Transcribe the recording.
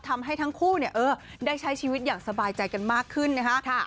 ทำให้ทั้งคู่ได้ใช้ชีวิตอย่างสบายใจกันมากขึ้นนะคะ